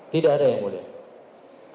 tidak ada yang mulia